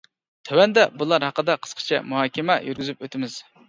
تۆۋەندە بۇلار ھەققىدە قىسقىچە مۇھاكىمە يۈرگۈزۈپ ئۆتىمىز.